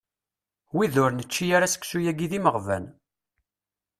Wid ur nečči ara seksu-yagi d imeɣban.